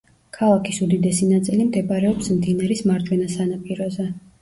ქალაქის უდიდესი ნაწილი მდებარეობს მდინარის მარჯვენა სანაპიროზე.